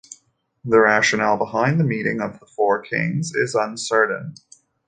The rationale behind the meeting of the four kings is uncertain.